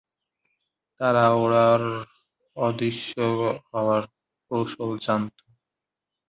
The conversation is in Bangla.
তারা ওড়ার, অদৃশ্য হওয়ার কৌশল জানত।